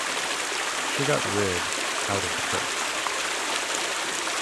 She got rid out of the curse.